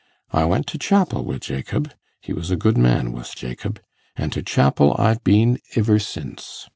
I went to chapel wi' Jacob he was a good man was Jacob an' to chapel I've been iver since.